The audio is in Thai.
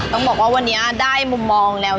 ต้องบอกว่าวันนี้ได้มุมมองแล้ว